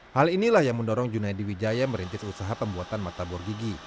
hal inilah yang mendorong junaidi wijaya merintis usaha pembuatan martabor gigi